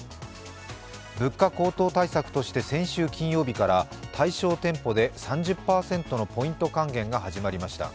物価高騰対策として先週金曜日から対象店舗で３０％のポイント還元が始まりました。